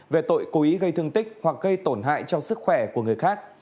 về tội cố ý gây thương tích hoặc gây tổn hại cho sức khỏe của người khác